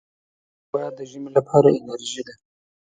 ښوروا د ژمي لپاره انرجۍ ده.